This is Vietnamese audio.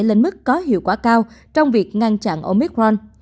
lên mức có hiệu quả cao trong việc ngăn chặn omicron